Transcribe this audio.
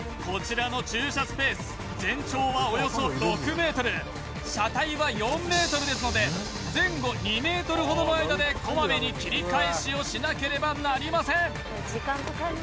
こちらの駐車スペース全長はおよそ６ｍ車体は４ｍですので前後２ｍほどの間でこまめに切り返しをしなければなりません